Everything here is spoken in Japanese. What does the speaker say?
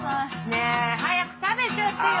ねぇ早く食べちゃってよ